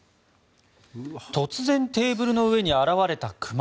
突然テーブルの上に現れた熊。